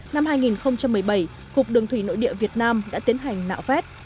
năm hai nghìn một mươi bảy cục đường thủy nội địa việt nam đã tiến hành nạo vét